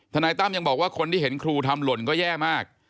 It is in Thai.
นายตั้มยังบอกว่าคนที่เห็นครูทำหล่นก็แย่มาก